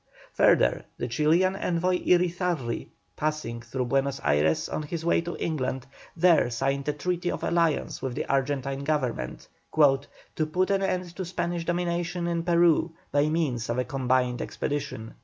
Further, the Chilian envoy Irizarri, passing through Buenos Ayres on his way to England, there signed a treaty of alliance with the Argentine Government: "To put an end to Spanish domination in Peru by means of a combined expedition."